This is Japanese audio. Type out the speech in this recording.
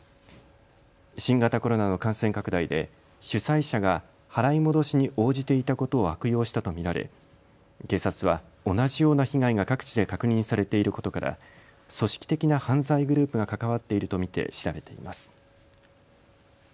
新型コロナの感染拡大で主催者が払い戻しに応じていたことを悪用したと見られ警察は同じような被害が各地で確認されていることから組織的な犯罪グループが関わっていると見て調べています。